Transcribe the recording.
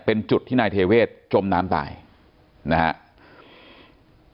เป็นจุดที่นายเทเวศจมน้ำตายนะครับ